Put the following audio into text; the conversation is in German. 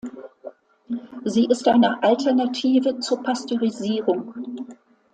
Sie ist eine Alternative zur Pasteurisierung.